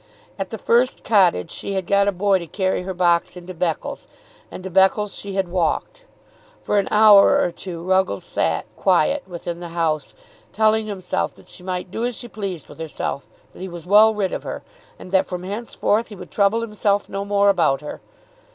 At the first cottage she had got a boy to carry her box into Beccles, and to Beccles she had walked. For an hour or two Ruggles sat, quiet, within the house, telling himself that she might do as she pleased with herself, that he was well rid of her, and that from henceforth he would trouble himself no more about her.